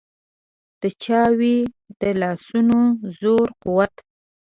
د چا وي د لاسونو زور قوت.